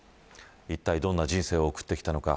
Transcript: いったい、どんな人生を送ってきたのか。